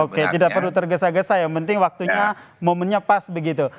oke tidak perlu tergesa gesa yang penting waktunya momennya pas begitu